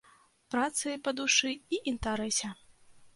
Працы па душы і інтарэсе!